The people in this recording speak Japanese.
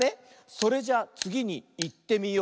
「それじゃつぎにいってみよう」